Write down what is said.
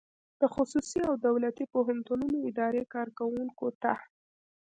د خصوصي او دولتي پوهنتونونو اداري کارکوونکو ته